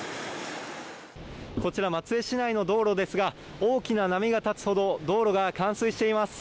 こちら松江市内の道路ですが、大きな波が立つほど、道路が冠水しています。